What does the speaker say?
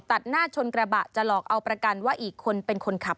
ตัดหน้าชนกระบะจะหลอกเอาประกันว่าอีกคนเป็นคนขับ